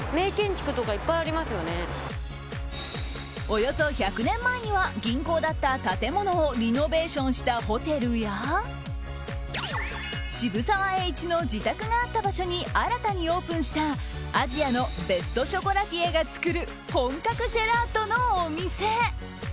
およそ１００年前には銀行だった建物をリノベーションしたホテルや渋沢栄一の自宅があった場所に新たにオープンしたアジアのベストショコラティエが作る本格ジェラートのお店。